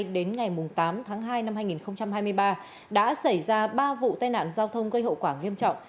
đến ngày tám tháng hai năm hai nghìn hai mươi ba đã xảy ra ba vụ tai nạn giao thông gây hậu quả nghiêm trọng